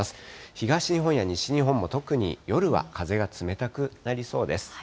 東日本や西日本も特に夜は風が冷たくなりそうです。